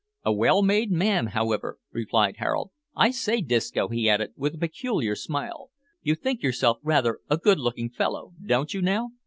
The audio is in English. "A well made man, however," replied Harold. "I say, Disco," he added, with a peculiar smile, "you think yourself rather a good looking fellow, don't you, now?"